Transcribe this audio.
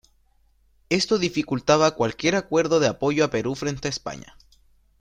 Esto dificultaba cualquier acuerdo de apoyo a Perú frente a España.